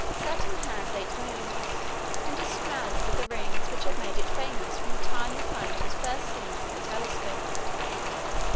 Saturn has eight moons and is surrounded with the rings which have made it famous from the time the planet was first seen through the telescope.